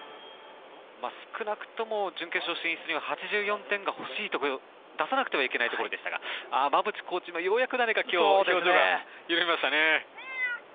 少なくとも準決勝進出には８４点を出さなくてはいけないところでしたが馬淵コーチもようやく表情が緩みましたね。